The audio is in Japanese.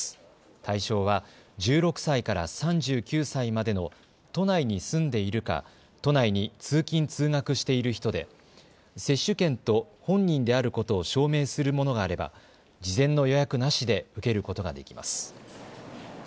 対象は１６歳から３９歳までの都内に住んでいるか都内に通勤・通学している人で接種券と本人であることを証明するものがあれば事前の予約なしで受けることができます。